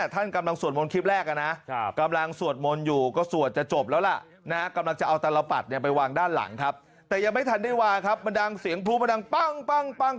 แต่ยังไม่ทันว่าครับมันดังเสียงพูลมันดังปั้ง